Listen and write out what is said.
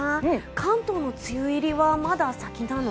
関東の梅雨入りは、まだ先なの？